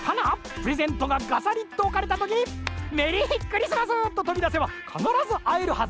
プレゼントがガサリッとおかれたときに「メリークリスマス！」ととびだせばかならずあえるはず。